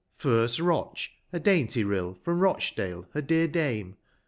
First Iloch a dainty Eill, from Boch dah her dear dame.